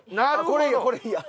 これいいやん